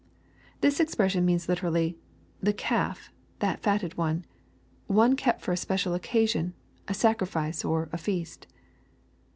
] This expression means literally, "the calf — that fatted one," — one kept for a special occasion, a sacrifice or a feast.